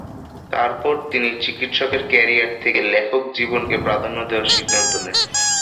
তার পর তিনি চিকিৎসকের কেরিয়ার থেকে লেখক জীবনকে প্রাধান্য দেওয়ার সিদ্ধান্ত নেন।